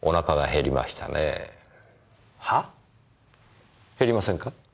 減りませんか？